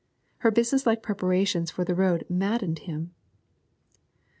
Her business like preparations for the road maddened him.